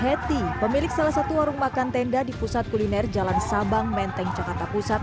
heti pemilik salah satu warung makan tenda di pusat kuliner jalan sabang menteng jakarta pusat